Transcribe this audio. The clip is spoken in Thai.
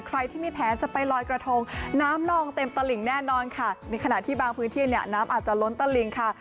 ใครที่มีแผนจะไปลอยกระทงน้ำลองเต็มตลิ่งแน่นอนค่ะในขณะที่บางพื้นที่เนี่ยน้ำอาจจะล้นตะลิงค่ะ